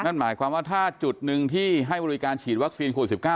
นั่นหมายความว่าถ้าจุดหนึ่งที่ให้บริการฉีดวัคซีนโควิด๑๙